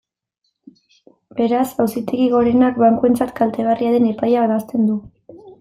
Beraz, Auzitegi Gorenak bankuentzat kaltegarria den epaia ebazten du.